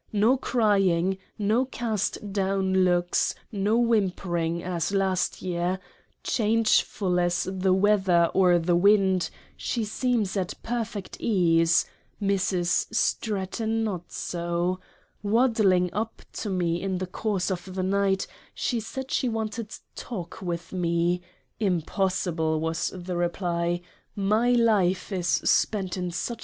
— No crying, no cast down Looks, no Whimpering, as last year changeful as the weather or the wind, she seems at perfect Ease Mrs. Stratton not so : Waddling up to me in the Course of the Night, she said she wanted Talk with me :— Im possible, was the Reply My Life is spent in such TO W.